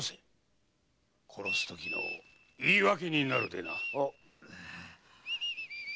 殺すときの言い訳になるでな。